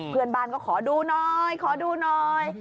เพื่อนบ้านก็ขอดูหน่อยขอดูหน่อย